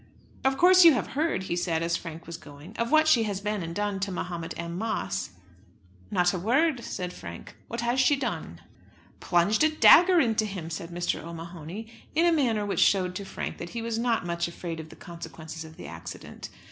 "Of course you have heard," he said, as Frank was going, "of what she has been and done to Mahomet M. Moss?" "Not a word," said Frank. "What has she done?" "Plunged a dagger into him," said Mr. O'Mahony, in a manner which showed to Frank that he was not much afraid of the consequences of the accident.